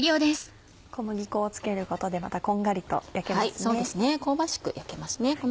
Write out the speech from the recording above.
小麦粉を付けることでまたこんがりと焼けますね。